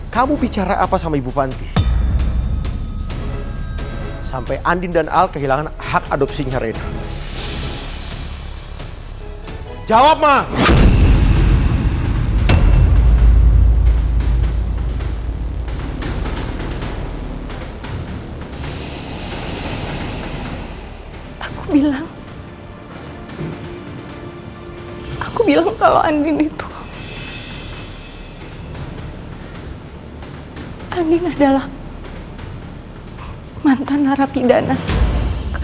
kamu bisa semarah ini sama istri kamu pak